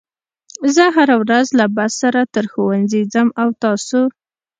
زه هره ورځ له بس سره تر ښوونځي ځم او تاسو